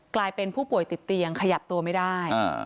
กลายเป็นผู้ป่วยติดเตียงขยับตัวไม่ได้